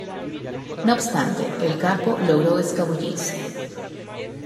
No obstante, el capo logró escabullirse.